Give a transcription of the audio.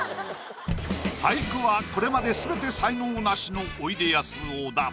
俳句はこれまで全て才能ナシのおいでやす小田。